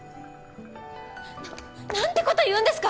な何てこと言うんですか！